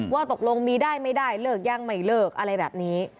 ว่าตกลงมีได้ไม่ได้เลิกยังไม่เลิกอะไรแบบนี้